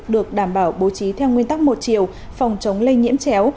được đảm bảo bố trí theo nguyên tắc một chiều phòng chống lây nhiễm chéo